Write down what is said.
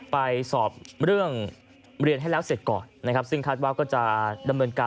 ไปสอบเรื่องเรียนให้แล้วเสร็จก่อนนะครับซึ่งคาดว่าก็จะดำเนินการ